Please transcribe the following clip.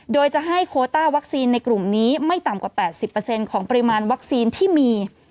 โดยจะให้โคต้าวัคซีนในกลุ่มนี้ไม่ต่ำกว่า๘๐ของปริมาณวัคซีนที่มี